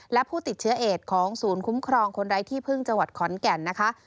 และผู้ติดเชื้อเอดของศูนย์คุ้มครองคนไร้ที่พึ่งจังหวัดขอนแก่นนะคะ